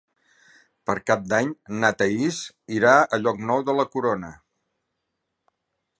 Per Cap d'Any na Thaís irà a Llocnou de la Corona.